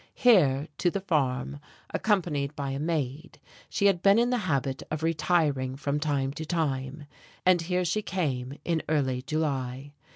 Here, to the farm, accompanied by a maid, she had been in the habit of retiring from time to time, and here she came in early July.